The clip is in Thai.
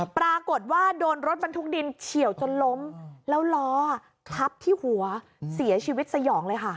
ปรากฏว่าโดนรถบรรทุกดินเฉียวจนล้มแล้วล้อทับที่หัวเสียชีวิตสยองเลยค่ะ